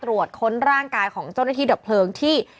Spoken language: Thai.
ค้นร่างกายของเจ้าหน้าที่ดับเพลิงที่